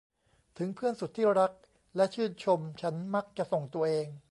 ถึงเพื่อนสุดที่รักและชื่นชมฉันมักจะส่งตัวเอง